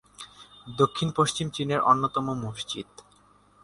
দক্ষিণ-পশ্চিম চীনের অন্যতম মসজিদ।